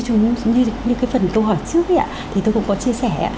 như cái phần tôi hỏi trước thì tôi cũng có chia sẻ